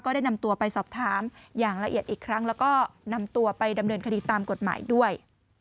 ได้นำตัวไปสอบถามอย่างละเอียดอีกครั้งแล้วก็นำตัวไปดำเนินคดีตามกฎหมายด้วย